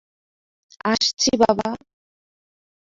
আসছি, বাবা।